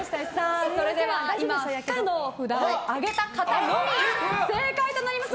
では、今不可の札を上げた方のみが正解となります。